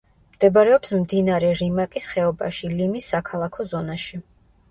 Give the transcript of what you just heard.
მდებარეობს მდინარე რიმაკის ხეობაში, ლიმის საქალაქო ზონაში.